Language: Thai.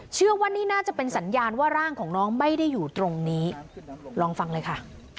เชื่อว่านี่น่าจะเป็นสัญญาณว่าร่างของน้องไม่ได้อยู่ตรงนี้ลองฟังเลยค่ะ